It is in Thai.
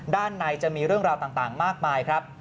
ด้านในจะมีเรื่องราวต่างมากมายครับ